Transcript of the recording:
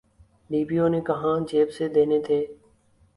D P O نے کہاں جیب سے دینے تھے۔